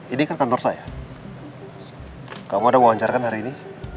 ini kan kantor saya kamu ada wawancarakan hari ini